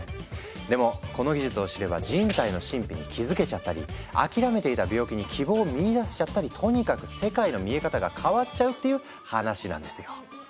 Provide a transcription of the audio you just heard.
でもこの技術を知れば人体の神秘に気付けちゃったり諦めていた病気に希望を見いだせちゃったりとにかく世界の見え方が変わっちゃうっていう話なんですよ。